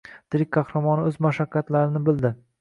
Tirik qahramoni o‘z mashaqqatlarini bildi.